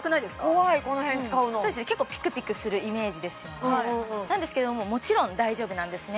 怖いこの辺使うのそうですね結構ピクピクするイメージですよねなんですけどももちろん大丈夫なんですね